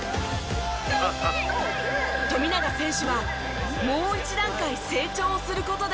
富永選手はもう一段階成長する事で。